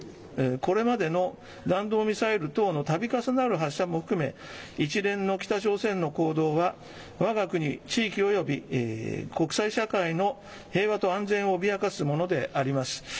これまでの弾道ミサイル等のたび重なる発射も含め一連の北朝鮮の行動は我が国、地域および国際社会の平和と安全を脅かすものであります。